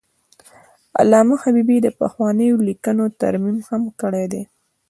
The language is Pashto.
علامه حبیبي د پخوانیو لیکنو ترمیم هم کړی دی.